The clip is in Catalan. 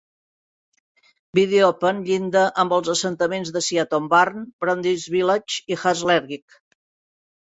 Wideopen llinda amb els assentaments de Seaton Burn, Brunswick Village i Hazlerigg.